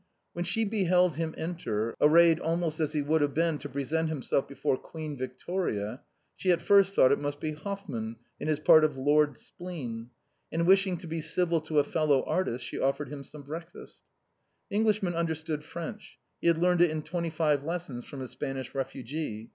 When she beheld him enter, arrayed almost as he would have been to present himself before Queen Victoria, she at first thought it must be Hoffmann, in his part of Lord Spleen ; and wishing to be civil to a fellow artist, she offered him some breakfast. The Englishman understood French ; he had learnt it in twenty five lessons of a Spanish refugee.